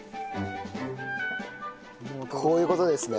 こういう事ですね？